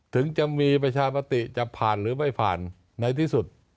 ถึงจะมีประชามติจะผ่านหรือไม่ผ่านในที่สุด